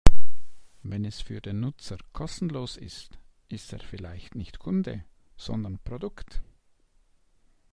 Wenn es für den Nutzer kostenlos ist, ist er vielleicht nicht Kunde, sondern Produkt.